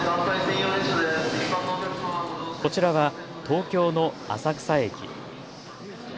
こちらは東京の浅草駅。